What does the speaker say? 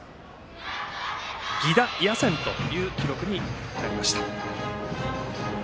犠打野選という記録になりました。